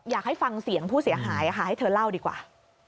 อยากให้ฟังเสียงผู้เสียหายค่ะให้เธอเล่าดีกว่า